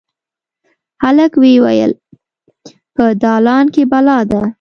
هلک ویې ویل: «په دالان کې بلا ده.»